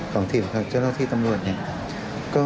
ของทีมเขายังรอคที่ประมรวชก็